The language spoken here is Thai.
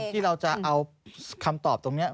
ที่เราจะเอาคำตอบตรงนี้